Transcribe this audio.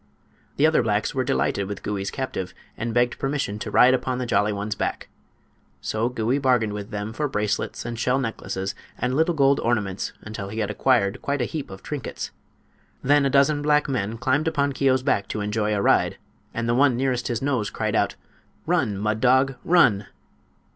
The other blacks were delighted with Gouie's captive, and begged permission to ride upon the Jolly One's back. So Gouie bargained with them for bracelets and shell necklaces and little gold ornaments, until he had acquired quite a heap of trinkets. Then a dozen black men climbed upon Keo's back to enjoy a ride, and the one nearest his nose cried out: "Run, Mud dog—run!"